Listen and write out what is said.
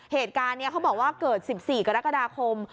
เหตุการณ์นี้เขาบอกว่าเกิด๑๔กรกฎาคม